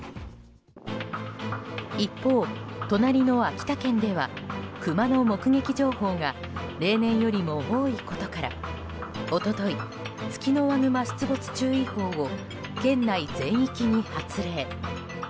一方、隣の秋田県ではクマの目撃情報が例年よりも多いことから一昨日ツキノワグマ出没注意報を県内全域に発令。